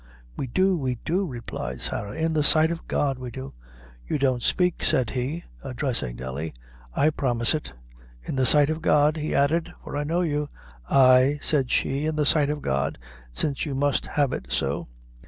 "We do; we do," replied Sarah; "in the sight of God, we do." "You don't spake," said he, addressing Nelly. "I promise it." "In the sight of God?" he added, "for I know you." "Ay." said she, "in the sight of God, since you must have it so."